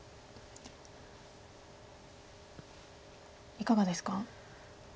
いかがですか？